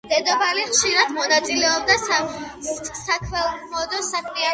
დედოფალი ხშირად მონაწილეობდა საქველმოქმედო საქმიანობებში.